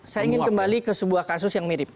saya ingin kembali ke sebuah kasus